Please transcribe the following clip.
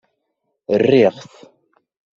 Rriɣ-t.